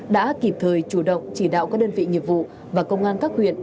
đã kịp thời chủ động chỉ đạo các đơn vị nghiệp vụ và công an các huyện